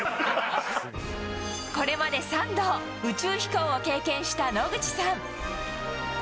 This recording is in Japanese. これまで３度、宇宙飛行を経験した野口さん。